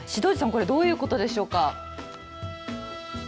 これ、どういうことでしょうか。